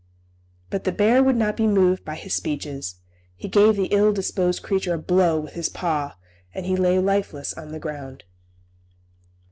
But the bear would not be moved by his speeches. He gave the ill disposed creature a blow with his paw, and he lay lifeless on the ground.